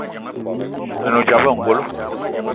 A ne odzap ayi ongolo.